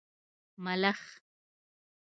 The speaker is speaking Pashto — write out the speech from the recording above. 🦗 ملخ